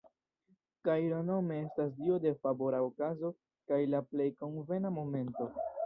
Kairo nome estas dio de "favora okazo kaj la plej konvena momento".